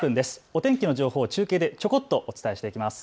お天気の情報を中継でちょこっとお伝えしていきます。